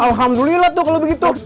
alhamdulillah tuh kalo begitu